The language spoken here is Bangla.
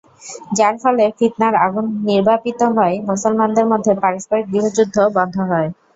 যার ফলে ফিতনার আগুন নির্বাপিত হয়, মুসলমানদের মধ্যে পারস্পরিক গৃহযুদ্ধ বন্ধ হয়।